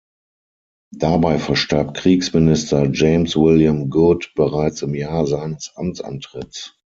Dabei verstarb Kriegsminister James William Good bereits im Jahr seines Amtsantritts.